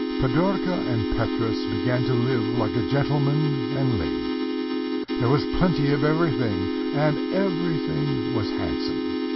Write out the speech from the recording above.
Pidorka and Petrus began to live like a gentleman and lady. There was plenty of everything, and everything was handsome.